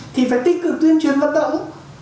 thì phải tích cực tuyên truyền vận động